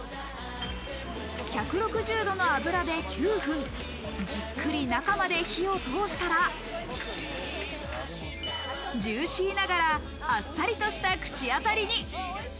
１６０度の油で９分、じっくり中まで火を通したら、ジューシーながら、あっさりとした口当たりに。